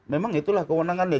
memang itulah kewenangannya